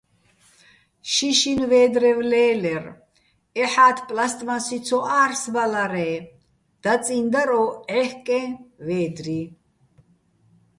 შიშინ ვე́დრევ ლე́ლერ, ეჰ̦ა́თ პლასტმასი ცო ა́რსბალარე, დაწიჼ დარ ო ჺეჰკეჼ ვე́დრი.